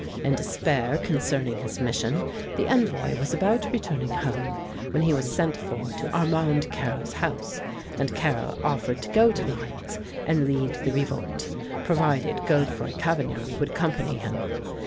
In despair concerning his mission, the envoy was about returning home, when he was sent for to Armand Carrel's house, and Carrel offered to go to Lyons and lead the revolt, provided Godefroi Cavaignac would accompany him.